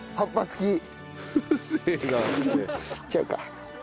切っちゃうか。